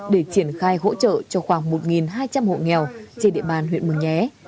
để triển khai hỗ trợ cho khoảng một hai trăm linh hộ nghèo trên địa bàn huyện mường nhé